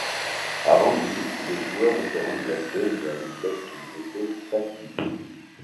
Avant lui, les joueurs étaient remplacés lorsqu'ils étaient fatigués.